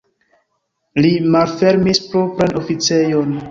Li malfermis propran oficejon.